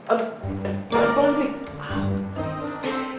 aduh tangan panggung sih